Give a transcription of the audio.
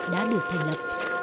đã được thành lập